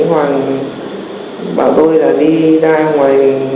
hoàng bảo tôi là đi ra ngoài nhà nghỉ